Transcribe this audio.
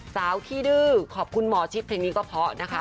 ขี้ดื้อขอบคุณหมอชิปเพลงนี้ก็เพราะนะคะ